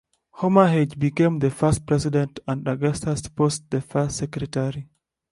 Homer Hedge became the first President and Augustus Post the first secretary.